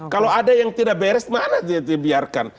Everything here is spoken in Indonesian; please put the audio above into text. kalau ada yang tidak beres mana dia biarkan